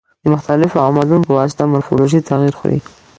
د مختلفو عواملو په واسطه مورفولوژي تغیر خوري.